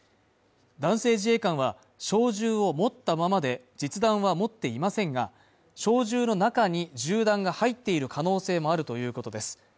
男性自衛官は小銃を持ったままで、実弾は持っていませんが、小銃の中に銃弾が入っている可能性もあるということです。